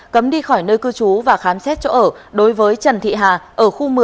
cấm đi khỏi nơi cư trú và khám xét chỗ ở đối với trần thị hà ở khu một mươi